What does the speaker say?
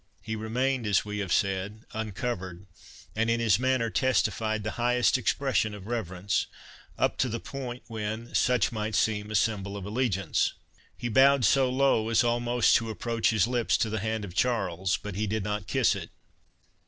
He remained, as we have said, uncovered; and in his manner testified the highest expression of reverence, up to the point when such might seem a symbol of allegiance. He bowed so low as almost to approach his lips to the hand of Charles—but he did not kiss it.